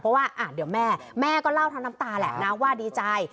เพราะว่าเดี๋ยวแม่แม่ก็เล่าทั้งน้ำตาแหละนะว่าดีใจ